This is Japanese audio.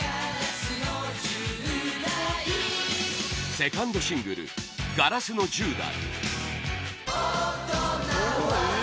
セカンドシングル「ガラスの十代」